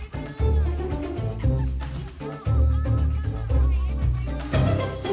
เพื่อนรับทราบ